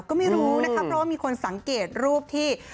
ก็ไม่รู้นะคะเพราะว่ามีคนสังเกตรูปที่